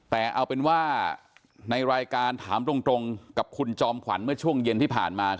แต่เอาเป็นว่าในรายการถามตรงกับคุณจอมขวัญเมื่อช่วงเย็นที่ผ่านมา